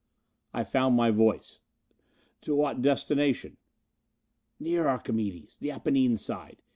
I found my voice. "To what destination?" "Near Archimedes. The Apennine side.